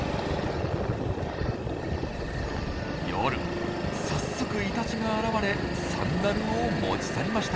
夜早速イタチが現れサンダルを持ち去りました。